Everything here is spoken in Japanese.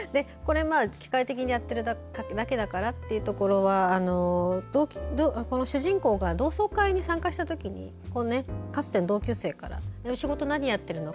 「機械的にやってるだけだから」っていうところは主人公が同窓会に参加したときにかつての同級生から仕事何やってるの？